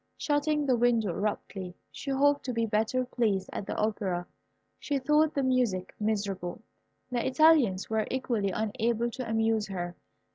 Shutting the window abruptly, she hoped to be better pleased at the Opera. She thought the music miserable. The Italians were equally unable to amuse her.